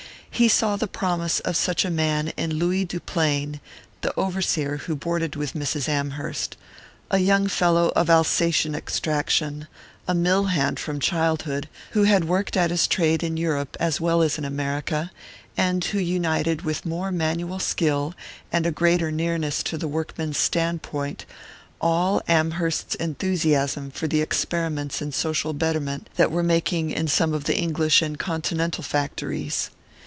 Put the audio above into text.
He saw the promise of such a man in Louis Duplain, the overseer who boarded with Mrs. Amherst: a young fellow of Alsatian extraction, a mill hand from childhood, who had worked at his trade in Europe as well as in America, and who united with more manual skill, and a greater nearness to the workman's standpoint, all Amherst's enthusiasm for the experiments in social betterment that were making in some of the English and continental factories.